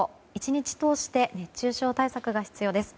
１日通して熱中症対策が必要です。